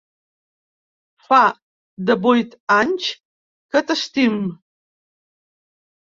Fa devuit anys que t'estim.